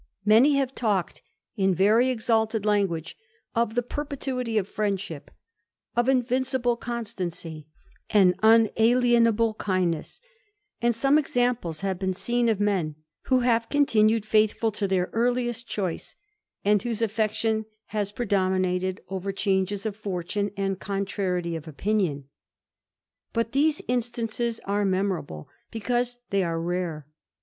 Many have talked, in very exalted language^ of t^%^ perpetuity of friendship, of invincible constancy, ^mn^ unalienable kindness \ and some examples Hkve been se^ca of men who have continued faithful to their earliest chovc^ and whose affection has predominated over changes of fortune and contrariety of opinion. But these instances are memorable, because they are rare.